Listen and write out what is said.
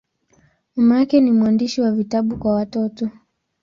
Mama yake ni mwandishi wa vitabu kwa watoto.